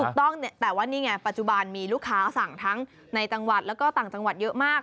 ถูกต้องแต่ว่านี่ไงปัจจุบันมีลูกค้าสั่งทั้งในจังหวัดแล้วก็ต่างจังหวัดเยอะมาก